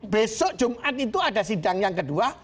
besok jumat itu ada sidang yang kedua